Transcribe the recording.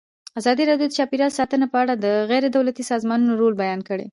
ازادي راډیو د چاپیریال ساتنه په اړه د غیر دولتي سازمانونو رول بیان کړی.